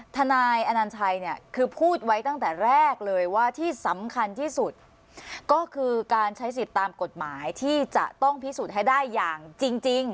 ทนายอนัญชัยเนี่ยคือพูดไว้ตั้งแต่แรกเลยว่าที่สำคัญที่สุดก็คือการใช้สิทธิ์ตามกฎหมายที่จะต้องพิสูจน์ให้ได้อย่างจริง